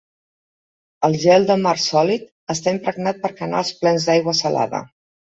El gel de mar sòlid està impregnat per canals plens d'aigua salada.